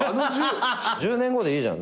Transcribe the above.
１０年後でいいじゃん。